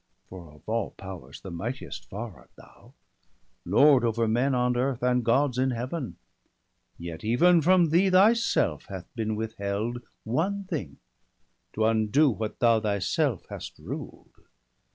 For of all powers the mightiest far art thou. Lord over men on earth, and Gods in Heaven; Yet even from thee thyself hath been withheld 176 BALDER DEAD. One thing — to undo what thou thyself hast ruled.